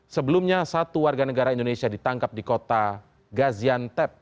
sebelumnya satu warga negara indonesia ditangkap di kota gaziantep